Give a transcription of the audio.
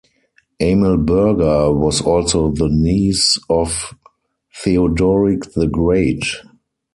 Amalberga was also the niece of Theodoric the Great.